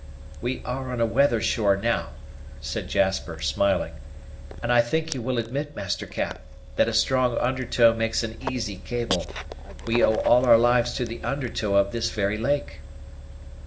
"We are on a weather shore, now," said Jasper, smiling; "and I think you will admit, Master Cap, that a strong under tow makes an easy cable: we owe all our lives to the under tow of this very lake."